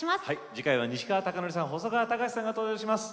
次回は西川貴教さん細川たかしさんが登場します。